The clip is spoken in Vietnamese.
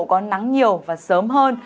có nắng nhiều và sớm hơn